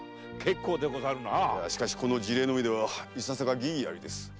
いやしかしこの事例のみではいささか疑義ありです。